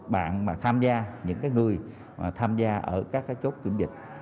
bạn mà tham gia những cái người mà tham gia ở các cái chốt kiểm dịch